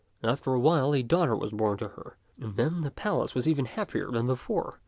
After a while a daugh ter was born to her, and then the palace was even happier than before.